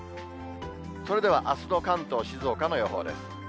それではあすの関東、静岡の予報です。